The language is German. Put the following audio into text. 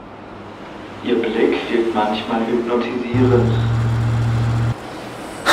Ihr Blick wirkt manchmal hypnotisierend.